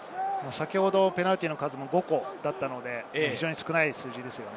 先ほどペナルティーの数も５個だったので非常に少ないですよね。